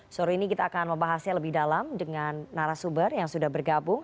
sore ini kita akan membahasnya lebih dalam dengan narasumber yang sudah bergabung